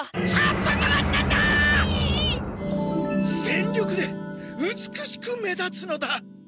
全力で美しく目立つのだ！